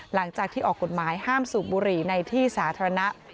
หลังจากที่ออกกฎหมายห้ามสูบบุหรี่ในที่สาธารณะ